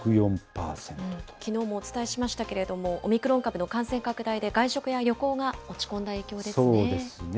きのうもお伝えしましたけれども、オミクロン株の感染拡大で、外食や旅行が落ち込んだ影響ですね。